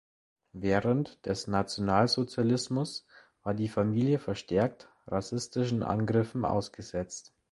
Während des Nationalsozialismus war die Familie verstärkt rassistischen Angriffen ausgesetzt.